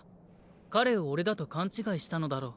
彼を俺だと勘違いしたのだろう。